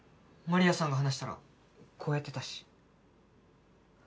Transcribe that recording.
マリアさんが話したらこうやってたし。